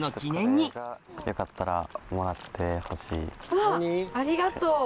うわっありがとう。